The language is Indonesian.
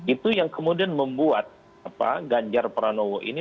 itu yang kemudian membuat ganjar pranowo ini